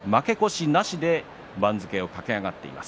入門以来、負け越しなしで番付を駆け上がっています。